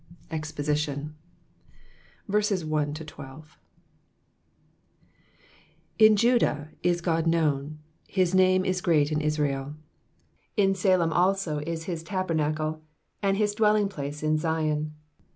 I EXPOSITION. N Judah is God known : his name is great in Israel. 2 In Salem also is his tabernacle, and his dwelling place in Zion.